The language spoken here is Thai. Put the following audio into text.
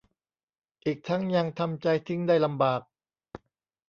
อีกทั้งยังทำใจทิ้งได้ลำบาก